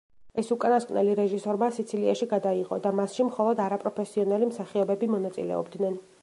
ეს უკანასკნელი რეჟისორმა სიცილიაში გადაიღო და მასში მხოლოდ არაპროფესიონალი მსახიობები მონაწილეობდნენ.